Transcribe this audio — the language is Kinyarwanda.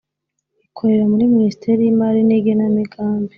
ikorera muri minisiteri y'lmari n'lgenamigambi;